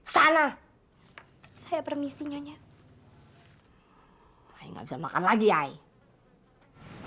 sana saya permisi nyonya hai saya nggak bisa makan lagi ya hai hai hai hai hai hai